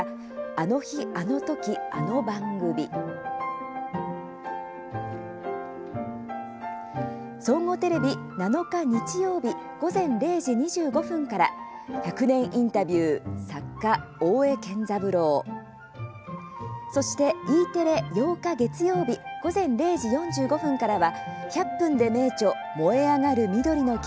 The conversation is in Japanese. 「あの日あのときあの番組」総合テレビ、７日、日曜日午前０時２５分から「１００年インタビュー作家・大江健三郎」そしてＥテレ、８日、月曜日午前０時４５分からは「１００分ｄｅ名著燃えあがる緑の木」